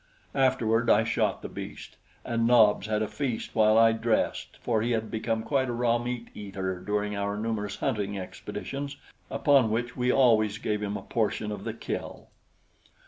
Afterward I shot the beast, and Nobs had a feast while I dressed, for he had become quite a raw meat eater during our numerous hunting expeditions, upon which we always gave him a portion of the kill.